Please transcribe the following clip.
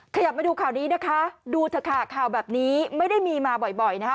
ขยับมาดูข่าวนี้นะคะดูเถอะค่ะข่าวแบบนี้ไม่ได้มีมาบ่อยนะคะ